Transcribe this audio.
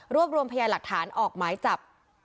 รวบรวมพยายามหลักฐานออกไม้จับ